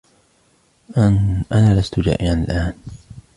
أنا لست جائعا الآن.